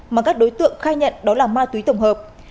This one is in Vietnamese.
mà các đối tượng khai nhận đó là ma túy tổng hợp